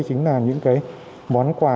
chính là những cái món quà